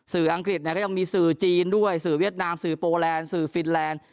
อังกฤษก็ยังมีสื่อจีนด้วยสื่อเวียดนามสื่อโปแลนด์สื่อฟินแลนด์